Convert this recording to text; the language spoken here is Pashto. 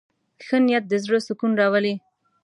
ښه نیت د زړه سکون راولي.